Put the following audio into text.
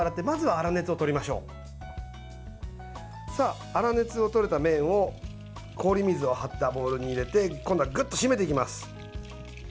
粗熱をとれた麺を氷水を張ったボウルに入れて今度はぐっと締めていきます。